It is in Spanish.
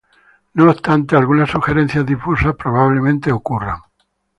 No obstante, algunas surgencias difusas probablemente ocurran.